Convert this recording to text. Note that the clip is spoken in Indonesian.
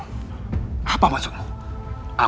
apa yang kamu inginkan